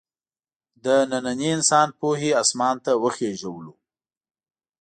د ننني انسان پوهې اسمان ته وخېژو.